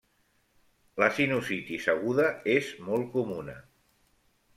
La sinusitis aguda és molt comuna.